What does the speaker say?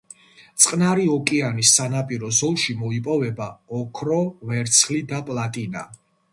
წყნარი ოკეანის სანაპირო ზოლში მოიპოვება ოქრო, ვერცხლი და პლატინა.